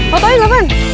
foto in pak kan